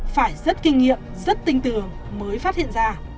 phải rất kinh nghiệm rất tinh tưởng mới phát hiện ra